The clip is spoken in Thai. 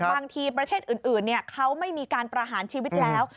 ประเทศอื่นเขาไม่มีการประหารชีวิตแล้ว